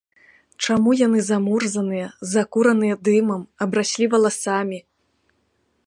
Чаму яны замурзаныя, закураныя дымам, абраслі валасамі?